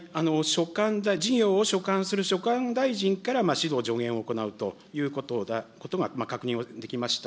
事業を所管する所管大臣から指導、助言を行うということが確認できました。